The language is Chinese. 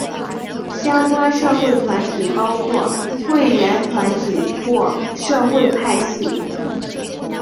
相关社会团体包括会员团体或社会派系。